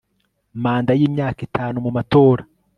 manda y imyaka itanu mu matora